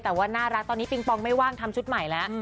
แต่ว่าน่ารักตอนนี้ปิงปองไม่ว่างทำชุดใหม่แล้ว